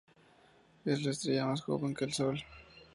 Es una estrella más joven que el Sol.